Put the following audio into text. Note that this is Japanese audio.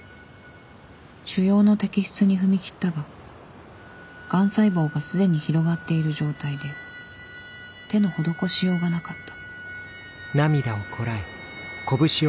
腫瘍の摘出に踏み切ったががん細胞がすでに広がっている状態で手の施しようがなかった